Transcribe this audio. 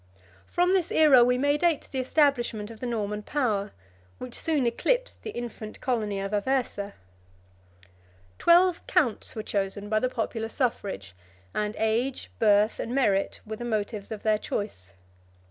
From this aera we may date the establishment of the Norman power, which soon eclipsed the infant colony of Aversa. Twelve counts 24 were chosen by the popular suffrage; and age, birth, and merit, were the motives of their choice.